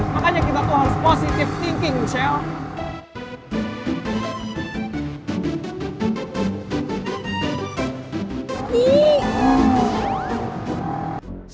makanya kita tuh harus positive thinking self